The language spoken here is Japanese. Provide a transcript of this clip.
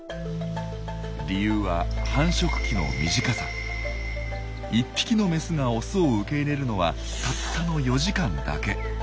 理由は１匹のメスがオスを受け入れるのはたったの４時間だけ。